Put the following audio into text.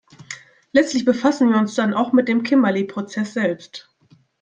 Letzlich befassen wir uns dann auch mit dem Kimberley-Prozess selbst.